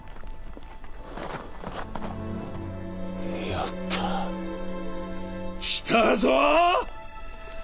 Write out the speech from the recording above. やった来たぞ！